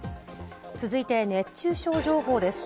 続いて熱中症情報です。